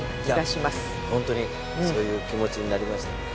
いやホントにそういう気持ちになりました。